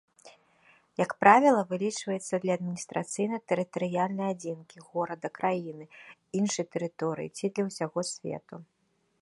Як правіла, вылічваецца для адміністрацыйна-тэрытарыяльнай адзінкі, горада, краіны, іншай тэрыторыі ці для ўсяго свету.